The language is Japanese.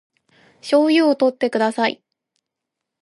醤油をとってください